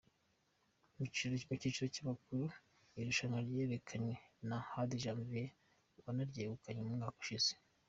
Mu cyiciro cy’abakuru, irushanwa ryegukanywe na Hadi Janvier wanaryegukanye mu mwaka ushize.